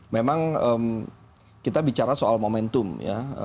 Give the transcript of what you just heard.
memang kita bicara soal momentum ya